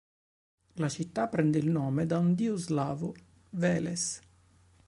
La città prende il nome da un dio slavo, "Veles".